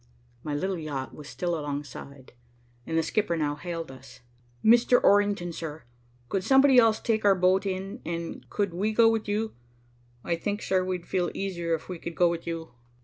My little yacht was still alongside, and the skipper now hailed us. "Mr. Orrington, sir, could somebody else take our boat in, and could we go with you? I think, sir, we'd feel easier, if we could go with you."